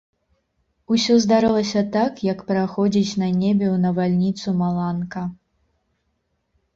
Усё здарылася так, як праходзіць на небе ў навальніцу маланка.